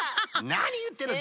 なにいってるの！